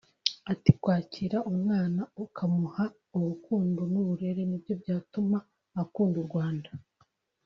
Ati “Kwakira umwana ukamuha urukundo n’uburere nibyo byatuma akunda u Rwanda